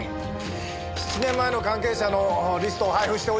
７年前の関係者のリストを配布しておいた。